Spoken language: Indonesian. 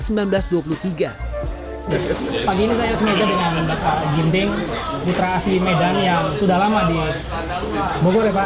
pagi ini saya sengaja dengan gimming putra asli medan yang sudah lama di bogor ya pak